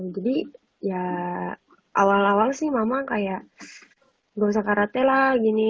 jadi ya awal awal sih mama kayak gak usah karate lah gini